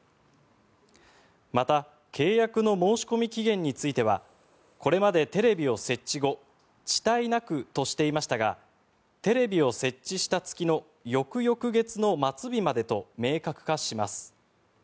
また、契約の申込期限についてはこれまで、テレビを設置後遅滞なくとしていましたがテレビを設置した月の翌々月の末日までと明確化します。